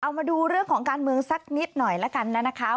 เอามาดูเรื่องของการเมืองสักนิดหน่อยละกันนะคะ